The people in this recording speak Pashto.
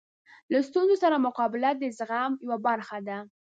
له ستونزو سره مقابله د زغم یوه برخه ده.